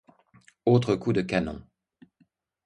Autres coups de canon.